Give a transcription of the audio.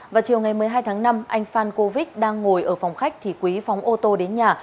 vào chiều ngày một mươi hai tháng năm anh phan cô vích đang ngồi ở phòng khách thì quý phóng ô tô đến nhà